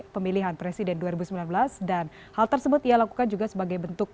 pemilihan presiden dua ribu sembilan belas dan hal tersebut ia lakukan juga sebagai bentuk